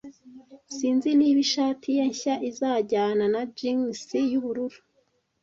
Sinzi niba ishati ye nshya izajyana na jeans yubururu.